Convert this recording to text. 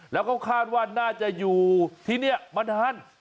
แล้วก็คาดว่าน่าจะอยู่ที่นี่มันทัน